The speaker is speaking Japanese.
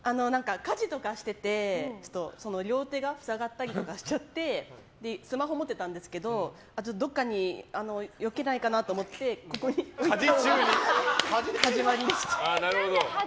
家事とかしてて両手が塞がったりとかしちゃってスマホ持ってたんですけどどこかによけないかなと思ってここにやって始まりました。